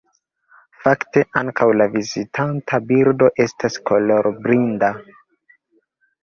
Fakte, ankaŭ la vizitanta birdo estas kolorblinda!